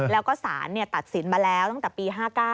แล้วก็สารตัดสินมาแล้วตั้งแต่ปี๕๙